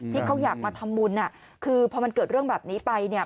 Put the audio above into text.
ที่เขาอยากมาทำบุญคือพอมันเกิดเรื่องแบบนี้ไปเนี่ย